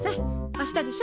明日でしょ？